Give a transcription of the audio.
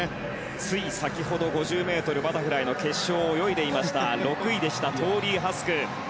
つい先ほど５０ｍバタフライの決勝を泳いでいました６位でした、トーリー・ハスク。